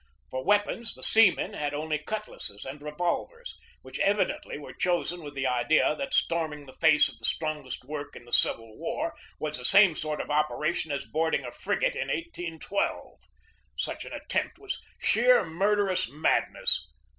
For weapons the seamen had only cutlasses and revolvers, which evidently were chosen with the idea that storming the face of the strong est work in the Civil War was the same sort of opera tion as boarding a frigate in 1812. Such an attempt was sheer, murderous madness.